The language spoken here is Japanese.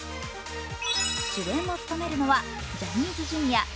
主演を務めるのはジャニーズＪｒ．７